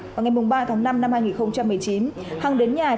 vào ngày ba tháng năm năm hai nghìn một mươi chín hằng đến nhà